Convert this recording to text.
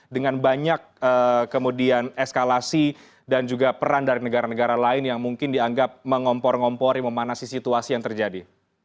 dengan banyak kemudian eskalasi dan juga peran dari negara negara lain yang mungkin dianggap mengompor ngompori memanasi situasi yang terjadi